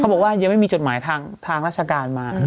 บอกว่ายังไม่มีจดหมายทางราชการมา